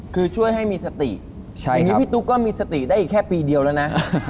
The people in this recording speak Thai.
คือช่วยให้มีสติอย่างนี้พี่ตุ๊กก็มีสติได้อีกแค่ปีเดียวแล้วนะ